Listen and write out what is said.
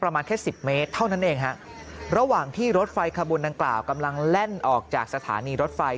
ประมาณแค่สิบเมตรเท่านั้นเองฮะระหว่างที่รถไฟขบวนดังกล่าวกำลังแล่นออกจากสถานีรถไฟ